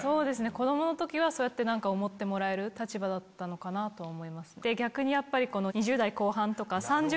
子供の時はそう思ってもらえる立場だったのかなとは思います。